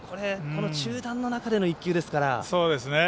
中断の中での１球ですから。